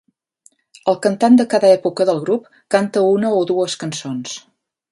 El cantant de cada època del grup canta una o dues cançons.